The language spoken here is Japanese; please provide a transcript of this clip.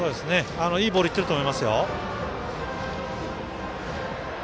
いいボールいってると思いますよ。